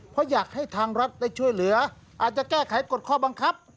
เพราะอยากให้ทางรัฐได้ช่วยเหลืออาจจะแก้ไขกฎข้อบังคับ